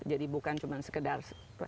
jadi bukan cuma sekedar